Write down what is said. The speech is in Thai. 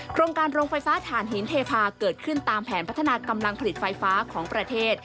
โรงการโรงไฟฟ้าฐานหินเทพาเกิดขึ้นตามแผนพัฒนากำลังผลิตไฟฟ้าของประเทศ